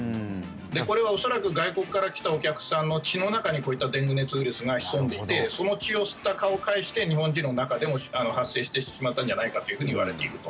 これは恐らく外国から来たお客さんの血の中にこういったデング熱ウイルスが潜んでいてその血を吸った蚊を介して日本人の中でも発生してしまったんじゃないかといわれていると。